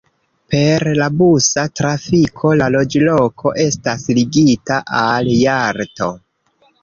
Per la busa trafiko la loĝloko estas ligita al Jalto.